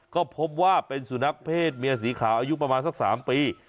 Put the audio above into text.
ก็พบว่าเป็นสุนัขเพศเมียสีขาวอายุประมาณสัก๓ปี